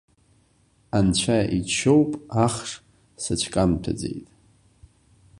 Анцәа иџьшьоуп ахш сыцәкамҭәаӡеит.